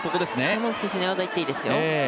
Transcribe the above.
玉置選手、寝技いっていいですよ。